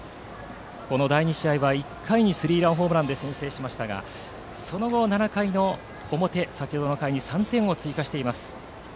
第２試合は１回にスリーランホームランで先制しましたがその後、７回の表で３点を追加しています。